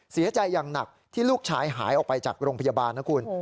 เสียใจอย่างหนักที่ลูกชายหายออกไปจากโรงพยาบาลนะคุณ